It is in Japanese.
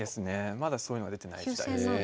まだそういうのは出てない時代ですね。